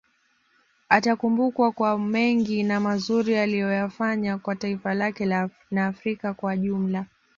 Atakumbukwa kwa mengi na mazuri aliyoyafanya kwa taifa lake na Afrika kwa ujumla